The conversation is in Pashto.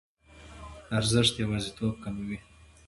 ارزښت یوازیتوب کموي.